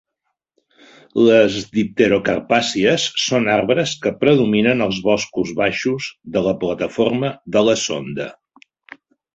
Les dipterocarpàcies són arbres que predominen als boscos baixos de la plataforma de la Sonda.